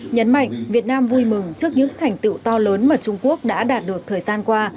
nhấn mạnh việt nam vui mừng trước những thành tựu to lớn mà trung quốc đã đạt được thời gian qua